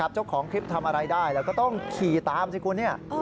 เจ้าของคลิปทำอะไรได้แล้วก็ต้องขี่ตามสิคุณ